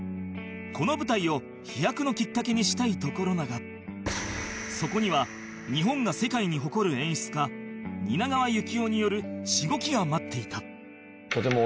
この舞台を飛躍のきっかけにしたいところだがそこには日本が世界に誇る演出家蜷川幸雄によるしごきが待っていた